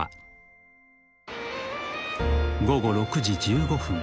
［午後６時１５分